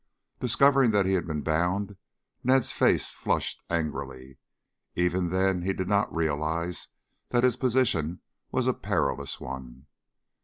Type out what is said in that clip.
Discovering that he had been bound Ned's face flushed angrily. Even then he did not realize that his position was a perilous one.